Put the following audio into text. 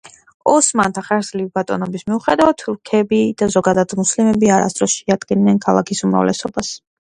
ოსმანთა ხანგრძლივი ბატონობის მიუხედავად, თურქები და ზოგადად მუსლიმები არასდროს შეადგენდნენ ქალაქის უმრავლესობას.